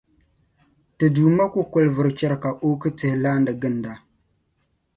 Ti Duuma kukoli vuri chɛri ka oki tihi laani ginda.